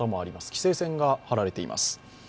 規制線が張られています。